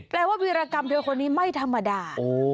ว่าวีรกรรมเธอคนนี้ไม่ธรรมดา